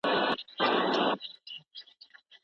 د پوهنې د نوي سیستم په اړه د خلکو شکایتونه اوریدل کیږي؟